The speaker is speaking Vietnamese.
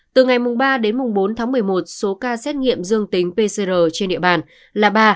từ ngày ba bốn một mươi một số ca xét nghiệm dương tính pcr trên địa bàn là ba